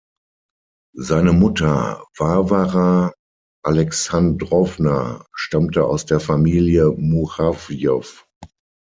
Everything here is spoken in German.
Seine Mutter Warwara Alexandrowna stammte aus der Familie Murawjow.